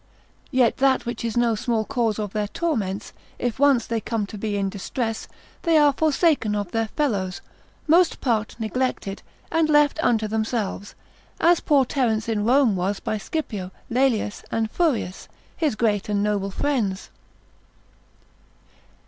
Yet, that which is no small cause of their torments, if once they come to be in distress, they are forsaken of their fellows, most part neglected, and left unto themselves; as poor Terence in Rome was by Scipio, Laelius, and Furius, his great and noble friends.